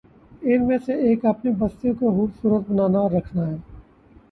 ان میں سے ایک اپنی بستیوں کو خوب صورت بنانا اور رکھنا ہے۔